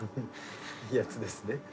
いいやつですね。